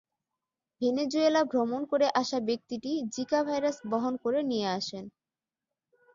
Venezuela ভ্রমণ করে আসা ব্যক্তিটি জিকা ভাইরাস বহন করে নিয়ে আসেন।